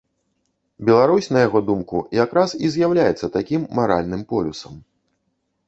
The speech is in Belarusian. Беларусь, на яго думку, якраз і з'яўляецца такім маральным полюсам.